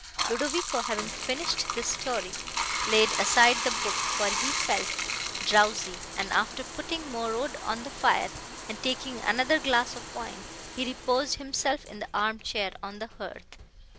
Ludovico, having finished this story, laid aside the book, for he felt drowsy, and, after putting more wood on the fire and taking another glass of wine, he reposed himself in the arm chair on the hearth.